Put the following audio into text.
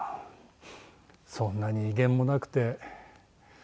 そんなに威厳もなくてねえ。